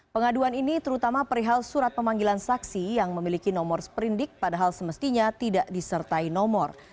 pengaduan ini terutama perihal surat pemanggilan saksi yang memiliki nomor sprindik padahal semestinya tidak disertai nomor